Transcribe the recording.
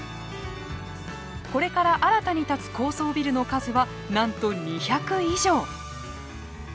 これから新たに建つ高層ビルの数はなんと２００以上。